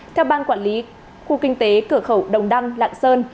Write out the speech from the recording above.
theo ban quản lý khu kinh tế cửa khẩu đồng đăng lạng sơn